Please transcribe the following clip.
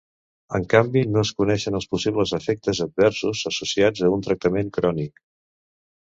En canvi no es coneixen els possibles efectes adversos associats a un tractament crònic.